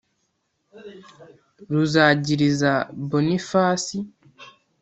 ruzagiriza boniface